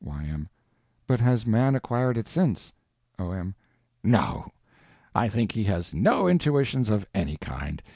Y.M. But has man acquired it since? O.M. No. I think he has no intuitions of any kind.